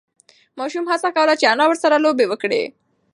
ماشوم هڅه کوله چې انا ورسره لوبه وکړي.